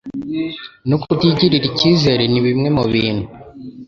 no kutigirira icyizere ni bimwe mu bintu